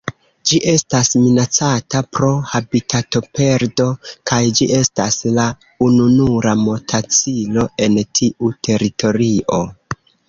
Ĝi estas minacata pro habitatoperdo kaj ĝi estas la ununura motacilo en tiu teritorio.